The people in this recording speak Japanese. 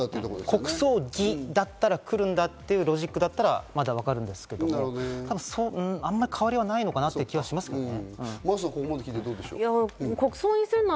国葬儀だったら来るというロジックだったらわかるんですけど、あまり変わりはないのかなという気がしますけどね。